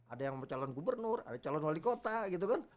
ada yang calon gubernur ada calon wali kota gitu kan